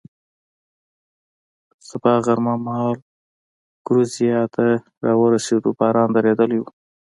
سبا غرمه مهال ګورېزیا ته را ورسېدو، باران درېدلی و.